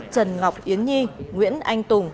trần ngọc yến nhi nguyễn anh tùng